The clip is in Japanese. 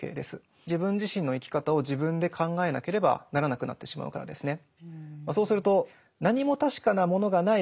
自分自身の生き方を自分で考えなければならなくなってしまうからですね。